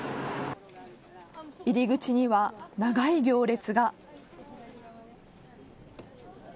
入り口には長い行列が。